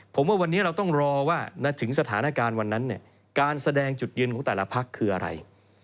ผมว่าวันนี้เราต้องรอว่าถึงสถานการณ์วันนั้นเนี่ยการแสดงจุดยืนของแต่ละพักคืออะไร